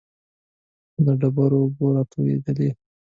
له ډبرو اوبه را تويېدلې.